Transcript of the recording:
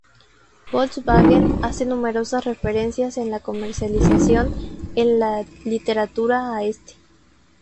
Volkswagen hace numerosas referencias en la comercialización en la literatura a este.